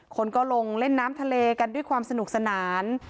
คนก็ลงเล่นน้ำทะเลกันด้วยความสนุกสนาน